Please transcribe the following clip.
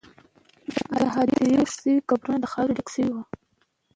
د هدیرې ښخ شوي قبرونه له خاورو ډک شوي وو.